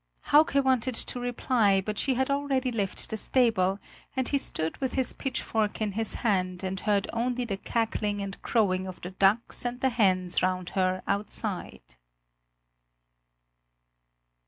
Hauke wanted to reply; but she had already left the stable, and he stood with his pitchfork in his hand and heard only the cackling and crowing of the ducks and the hens round her outside.